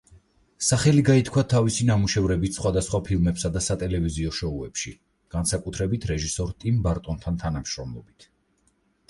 სახელი გაითქვა თავისი ნამუშევრებით სხვადასხვა ფილმებსა და სატელევიზიო შოუებში, განსაკუთრებით რეჟისორ ტიმ ბარტონთან თანამშრომლობით.